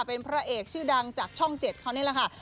เป็นพระเอกชื่อดังจากช่อง๗เขานี่แหละค่ะ